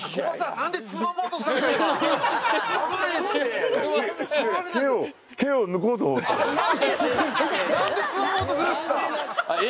何でつまもうとするんすか？